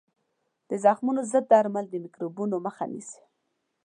د زخمونو ضد درمل د میکروبونو مخه نیسي.